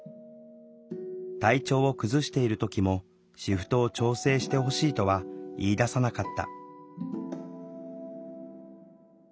体調を崩している時もシフトを調整してほしいとは言いださなかった。